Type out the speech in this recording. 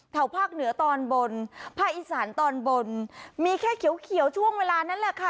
ภาคเหนือตอนบนภาคอีสานตอนบนมีแค่เขียวเขียวช่วงเวลานั้นแหละค่ะ